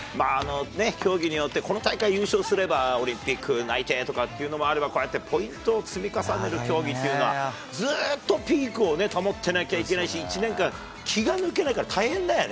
競技によって、この大会優勝すれば、オリンピック内定とかっていうのもあれば、こうやってポイントを積み重ねる競技っていうのは、ずっとピークをね、保ってなきゃいけないし、１年間、気が抜けないから大変だよね。